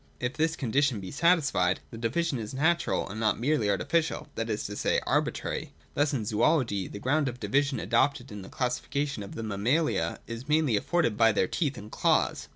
If this condition be satisfied, the division is natural and not merely artificial, that is to say, arbitrary. Thus, in zoology, the ground of division adopted in the classification of the mammalia is mainly afforded by their teeth and claws.